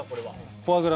フォアグラ？